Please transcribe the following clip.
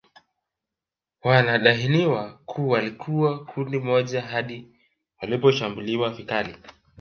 Wanadhaniwa walikuwa kundi moja hadi waliposhambuliwa vikali